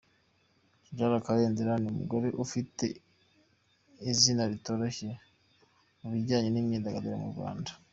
Tidjara Kabendera ni umugore ufite izina ritoroshye mu bijyanye n’imyidagaduro mu Rwanda.